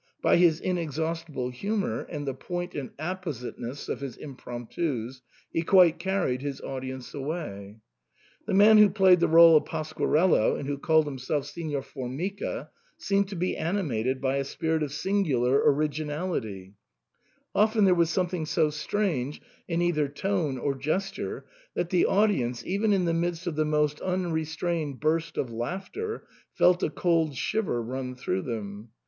By his inexhaustible hu mour, and the point and appositeness of his impromptus, he quite carried his audience away. The man who played the rdle of Pasquarello, and who called himself Signer Formica, seemed to be animated by a spirit of singular originality ; often there was something so strange in either tone or gesture, that the audience, even in the midst of the most unrestrained burst of laughter, felt a cold shiver run through them.